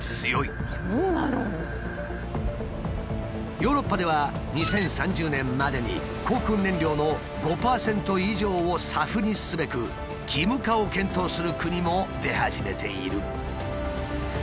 ヨーロッパでは２０３０年までに航空燃料の５％以上をＳＡＦにすべく義務化を検討する国も出始めている。